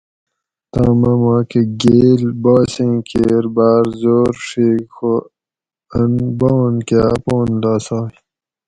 تام اۤ ماکہ گیل باسیں کیر باۤر زور ڛیگ خو آن بان کاۤ اپان لاسائ